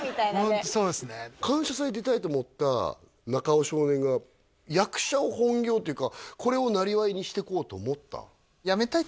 ホントそうですね感謝祭出たいと思った中尾少年が役者を本業というかこれを生業にしていこうと思った？